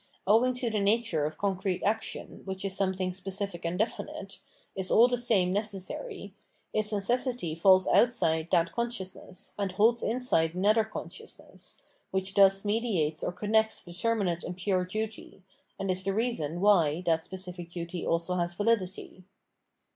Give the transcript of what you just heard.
619 The Moral View of the World owing to the nature of concrete action which is some thing specific and definite, is all the same necessary, its necessity falls outside that consciousness and holds inside another consciousness, which thus mediates or connects determinate and pure duty, and is the reason why that specific duty also has vahdity.